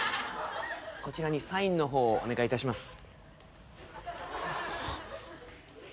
こちらにサインの方をお願いいたします。